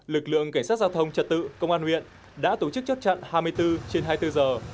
lực lượng cảnh sát giao thông trật tự công an huyện đã tổ chức chốt chặn hai mươi bốn trên hai mươi bốn giờ